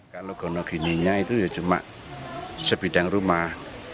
kandungan ini cuma sebidang rumah